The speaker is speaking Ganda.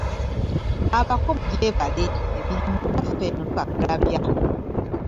Abako mujebale emirimu naffe eno tukakkalabya .